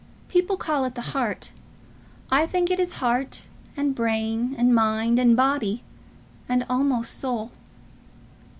People call it the heart. I think it is heart, and brain, and mind, and body, and almost soul.